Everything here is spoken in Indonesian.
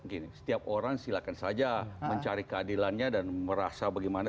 gini setiap orang silakan saja mencari keadilannya dan merasa bagaimana